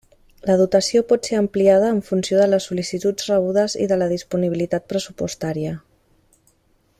La dotació pot ser ampliada en funció de les sol·licituds rebudes i de la disponibilitat pressupostària.